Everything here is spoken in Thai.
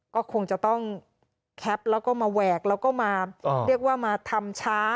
ก็คงจะต้องแคปแล้วก็มาแหวกแล้วก็มาเรียกว่ามาทำช้า